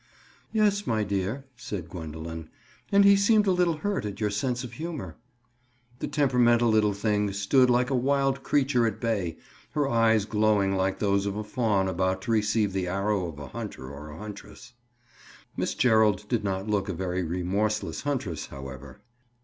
"Yes, my dear," said Gwendoline. "And he seemed a little hurt at your sense of humor." The temperamental little thing stood like a wild creature at bay, her eyes glowing like those of a fawn about to receive the arrow of a hunter or a huntress. Miss Gerald did not look a very remorseless huntress, however.